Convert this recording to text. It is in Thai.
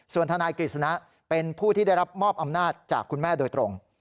ส่วนทนายกฤษณะเป็นผู้ที่ได้รับมอบอำนาจจากคุณแม่โดยตรง